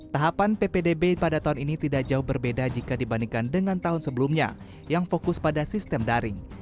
tahapan ppdb pada tahun ini tidak jauh berbeda jika dibandingkan dengan tahun sebelumnya yang fokus pada sistem daring